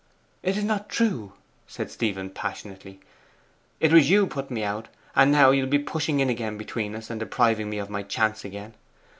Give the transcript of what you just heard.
'It is not true!' said Stephen passionately. 'It was you put me out. And now you'll be pushing in again between us, and depriving me of my chance again!